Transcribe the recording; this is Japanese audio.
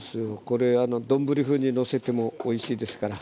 これ丼風にのせてもおいしいですから。